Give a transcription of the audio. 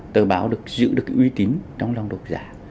tờ báo được giữ được uy tín trong lòng độc giả